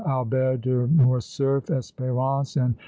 Albert de Morcerf, Espérance and M.